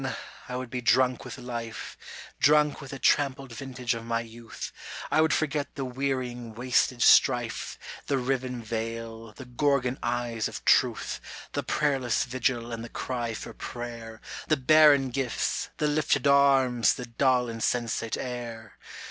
I would be drunk with life, Drunk with the trampled vintage of my youth, [ 92 ] I would forget the wearying wasted strife, The riven vale, the Gorgon eyes of Truth, The prayerless vigil and the cry for prayer, The barren gifts, the lifted arms, the dull insensate air